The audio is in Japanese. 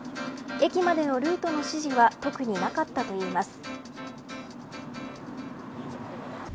駅までのルートの指示は特になかったといいます。